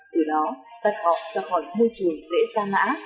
từ đó cắt họ ra khỏi môi trường dễ xa mã